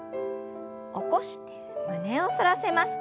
起こして胸を反らせます。